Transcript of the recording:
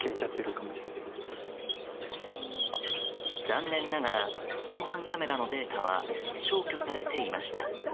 残念ながら防犯カメラのデータは消去されていました。